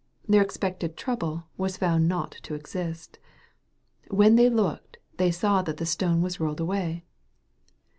Their expected trouble was found not to exist. " When they looked, they saw that the stone was rolled away."